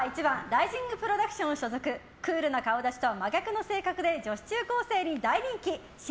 ライジングプロダクション所属クールな顔立ちとは真逆の性格で女子中高生に大人気！